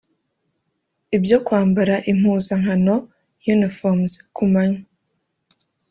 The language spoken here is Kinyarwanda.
Ibyo kwambara impuzankano (Uniforms) ku manywa